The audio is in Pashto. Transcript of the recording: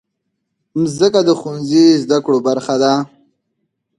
مځکه د ښوونځي زدهکړو برخه ده.